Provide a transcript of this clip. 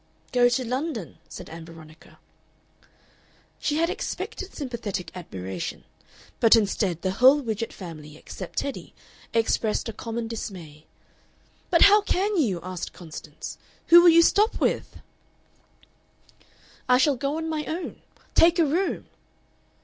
"Go to London," said Ann Veronica. She had expected sympathetic admiration, but instead the whole Widgett family, except Teddy, expressed a common dismay. "But how can you?" asked Constance. "Who will you stop with?" "I shall go on my own. Take a room!"